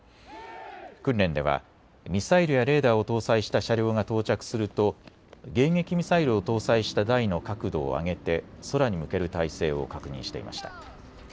訓練ではミサイルやレーダーを搭載した車両が到着すると迎撃ミサイルを搭載した台の角度を上げて空に向ける態勢を確認していました。